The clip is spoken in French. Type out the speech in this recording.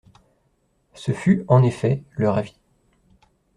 Ce fut, en effet, leur avis.